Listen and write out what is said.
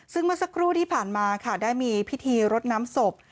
ซึ่งเมื่อสักครู่ที่ผ่านมาค่ะได้มีพิธีรดน้ำศพ